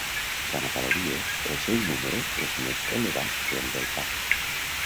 Quant a calories, el seu número és més elevat que el del pa.